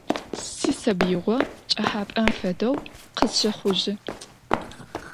Сисабыигъо пкӀыхьапӀэм фэдэу къысщэхъужьы.